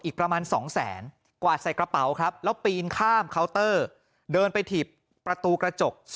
อีกประมาณ๒แสนกวาดใส่กระเป๋าครับแล้วปีนข้ามเคาน์เตอร์เดินไปถีบประตูกระจก